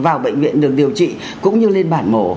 vào bệnh viện được điều trị cũng như lên bản mổ